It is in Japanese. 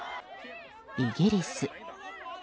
イギリス